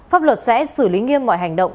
pháp luật sẽ xử lý nghiêm mọi hành động